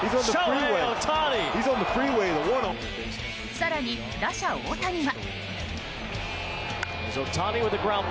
更に、打者・大谷は。